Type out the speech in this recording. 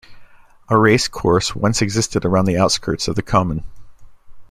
A racecourse once existed around the outskirts of the Common.